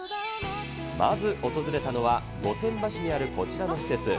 まず訪れたのは、御殿場市にあるこちらの施設。